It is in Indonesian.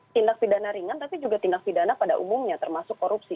tindak pidana ringan tapi juga tindak pidana pada umumnya termasuk korupsi